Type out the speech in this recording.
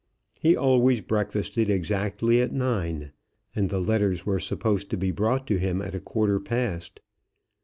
He always breakfasted exactly at nine, and the letters were supposed to be brought to him at a quarter past.